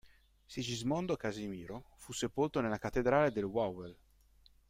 Sigismondo Casimiro fu sepolto nella Cattedrale del Wawel.